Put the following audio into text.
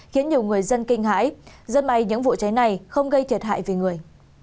khiến nhiều người dân kinh hãi rất may những vụ cháy này không gây thiệt hại về người